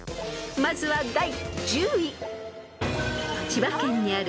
［まずは第１０位］